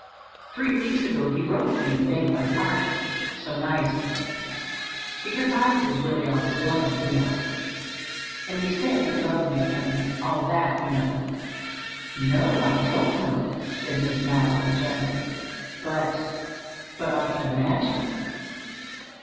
Three weeks ago he wrote me and begged my pardon—so nice of him, because I was really all to blame, you know. And he said he loved me and—all that, you know." "No, I don't know," said Miss Madeline gently. "But—but—I can imagine."